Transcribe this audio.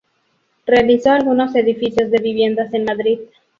Realizó algunos edificios de viviendas en Madrid.